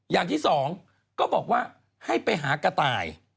อย่างที่สองก็บอกว่าให้ไปหากระต่าย